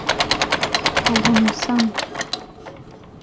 Ogwo musano.